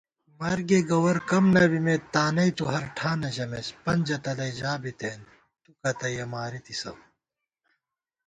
مرگےگوَر کم نَبِمېت تانَئی تُو ہرٹھانہ ژَمېس * پنجہ تلَئ ژا بِتېن تُو کتّیَہ مارِتِسہ